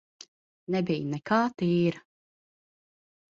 Nebija nekā tīra.